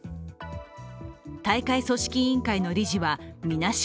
大会組織委員会の理事はみなし